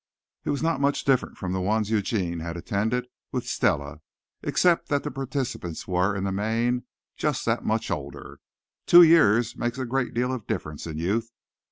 It was not much different from the ones Eugene had attended with Stella, except that the participants were, in the main, just that much older. Two years make a great deal of difference in youth.